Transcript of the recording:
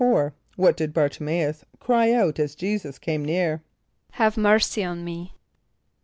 = What did Bär ti mæ´us cry out as J[=e]´[s+]us came near? ="Have mercy on me."